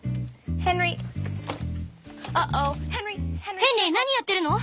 ヘンリー何やってるの？